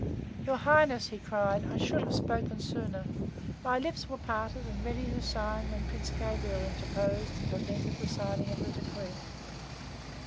"Your Highness," he said, "I should have spoken sooner. My lips were parted and ready to cry out when Prince Gabriel interposed and prevented the signing of the decree.